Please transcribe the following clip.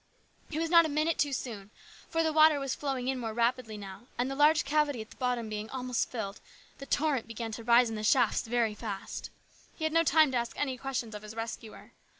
He was not a minute too soon, for the water was flowing in more rapidly now, and the large cavity at the bottom being almost filled, the torrent began to rise in the shafts very fast. He had no time to ask any questions of his rescuer.